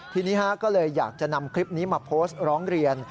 ทีนี้ก็เลยอยากจะนำคลิปนี้มาโพสต์ร้องเรียน